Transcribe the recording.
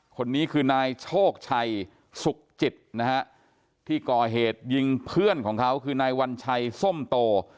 คนนี้คือนายโชคชัยสุขจิตนะฮะที่ก่อเหตุยิงเพื่อนของเขาคือนายวัญชัยส้มโต